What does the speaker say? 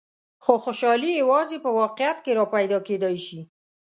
خو خوشحالي یوازې په واقعیت کې را پیدا کېدای شي.